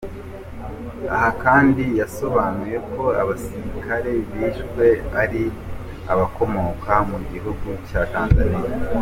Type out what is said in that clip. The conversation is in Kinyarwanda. Aha kand, yasobanuye ko abasirikare bishwe ari abakomoka mu gihugu cya Tanzaniya.